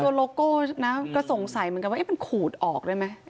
โลโก้นะก็สงสัยเหมือนกันว่ามันขูดออกได้ไหม